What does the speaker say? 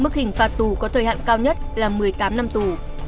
mức hình phạt tù có thời hạn cao nhất là một mươi tám năm tù